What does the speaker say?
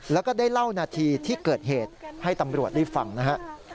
แล้วก็ได้เล่านาทีที่เกิดเหตุให้ตำรวจได้ฟังนะฮะ